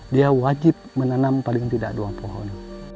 dia wajib menanam paling tidak dua pohon